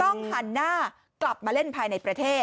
ต้องหันหน้ากลับมาเล่นภายในประเทศ